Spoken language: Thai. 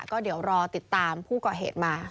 ก็เดี๋ยวรอติดตามผู้ก่อเหตุมา